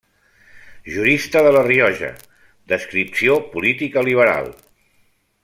Jurista de La Rioja, d'adscripció política liberal.